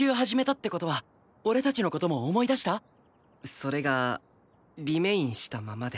それがリメインしたままで。